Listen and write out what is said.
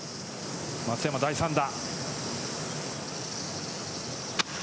松山、第３打。